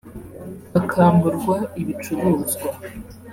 bakamburwa ibicuruzwa